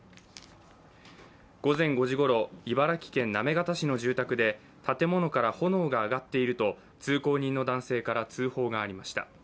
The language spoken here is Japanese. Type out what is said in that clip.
午前５時ごろ、茨城県行方市の住宅で建物から炎が上がっていると通行人の男性から通報がありました。